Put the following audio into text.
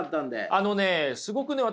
あのねすごくね私